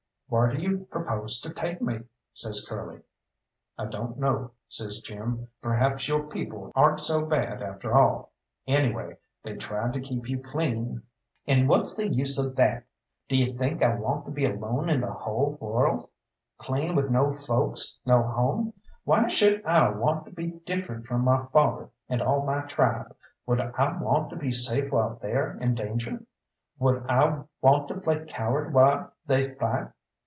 "Whar do you propose to take me?" says Curly. "I don't know," says Jim; "perhaps your people aren't so bad after all anyway, they tried to keep you clean." "And what's the use of that? D'ye think I want to be alone in the hull world clean with no folks, no home? Why should I want to be different from my father, and all my tribe? Would I want to be safe while they're in danger? Would I want to play coward while they fight?